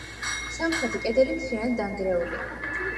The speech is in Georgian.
სამხრეთი კედელი მთლიანად დანგრეულია.